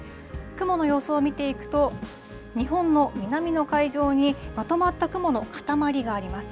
雲の様子を見ていくと、日本の南の海上にまとまった雲の固まりがあります。